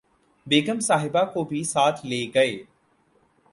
بیگم صاحبہ کو بھی ساتھ لے گئے